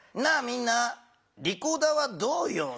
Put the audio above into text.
みんなリコーダーはどうよ？